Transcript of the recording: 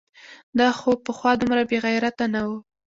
دا خو پخوا دومره بېغیرته نه و؟!